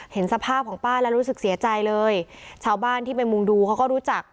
เห็นสภาพของป้าแล้วรู้สึกเสียใจเลยชาวบ้านที่ไปมุงดูเขาก็รู้จัก